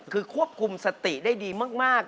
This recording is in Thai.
คือควบคุมสติได้ดีมาก